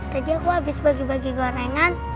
tadi aku habis bagi bagi gorengan